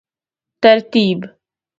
ترتیب